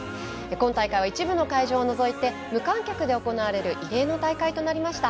今大会は一部の会場を除いて無観客で行われる異例の大会となりました。